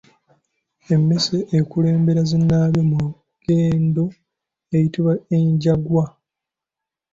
Emmese ekulembera zinnaazo mu lugendo eyitibwa enjangwa.